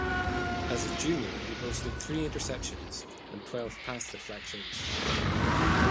As a junior, he posted three interceptions, and twelve pass deflections.